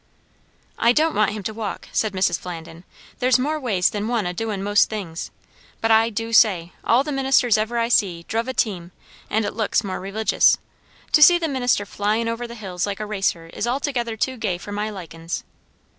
"I don't want him to walk," said Mrs. Flandin; "there's more ways than one o' doin' most things; but I do say, all the ministers ever I see druv a team; and it looks more religious. To see the minister flyin' over the hills like a racer is altogether too gay for my likin's."